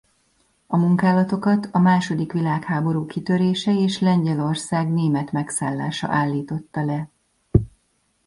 A munkálatokat a második világháború kitörése és Lengyelország német megszállása állította le.